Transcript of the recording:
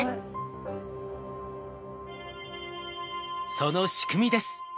その仕組みです。